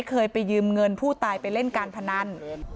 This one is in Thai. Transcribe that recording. เคยไปยืมเงินผู้ตายไปเล่นการพนัน